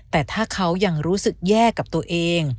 แต่ถ้าเขายังรู้สึกแย่กับตัวเอง